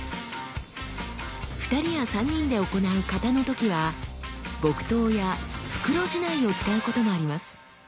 ２人や３人で行う形の時は木刀や袋竹刀を使うこともあります。